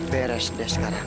beres di atas sekarang